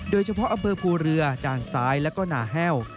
โดยเฉพาะอำเภอภูเรือด้านซ้ายแล้วก็หนาแห้ว